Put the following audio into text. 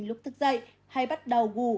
lúc thức dậy hay bắt đầu gù